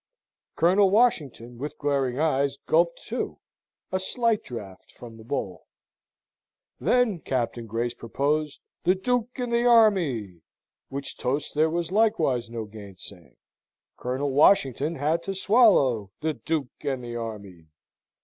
Colonel Washington, with glaring eyes, gulped, too, a slight draught from the bowl. Then Captain Grace proposed "The Duke and the Army," which toast there was likewise no gainsaying. Colonel Washington had to swallow "The Duke and the Army."